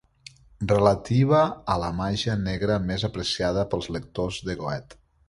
Relativa a la màgia negra més apreciada pels lectors de Goethe.